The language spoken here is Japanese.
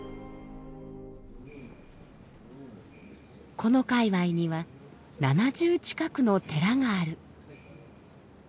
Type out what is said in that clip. この界隈には７０近くの寺がある。